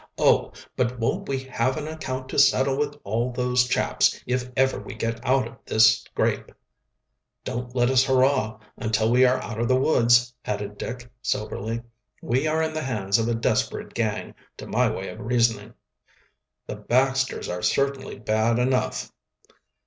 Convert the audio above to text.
"Oh, but won't we have an account to settle with all of those chaps, if ever we get out of this scrape." "Don't let us hurrah until we are out of the woods," added Dick soberly. "We are in the hands of a desperate gang, to my way of reasoning." "The Baxters are certainly bad enough."